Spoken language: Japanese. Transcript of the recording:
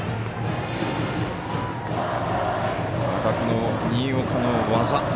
また、新岡の技。